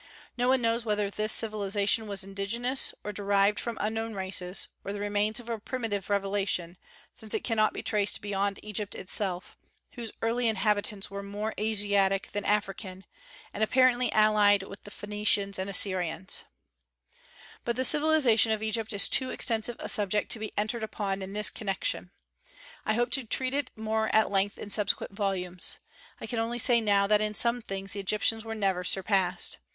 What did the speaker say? No one knows whether this civilization was indigenous, or derived from unknown races, or the remains of a primitive revelation, since it cannot be traced beyond Egypt itself, whose early inhabitants were more Asiatic than African, and apparently allied with Phoenicians and Assyrians, But the civilization of Egypt is too extensive a subject to be entered upon in this connection. I hope to treat it more at length in subsequent volumes. I can only say now that in some things the Egyptians were never surpassed.